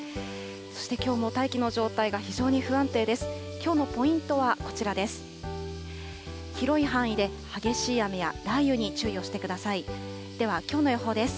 そしてきょうも大気の状態が非常に不安定です。